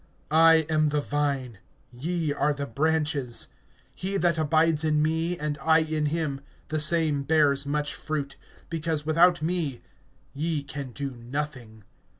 (5)I am the vine, ye are the branches. He that abides in me and I in him, the same bears much fruit; because without me ye can do nothing.